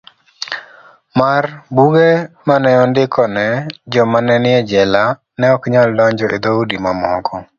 mar Buge ma ne ondikone jomane nie jela neoknyal donjo e dhoudi mamoko.